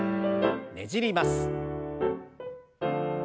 ねじります。